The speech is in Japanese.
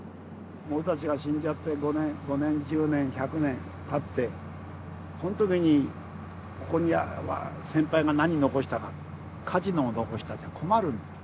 俺たちが死んじゃって５年１０年１００年経ってその時に「ここに先輩が何を残したか？」「カジノを残した」じゃ困るんだよ。